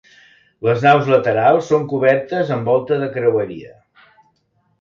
Les naus laterals són cobertes amb volta de creueria.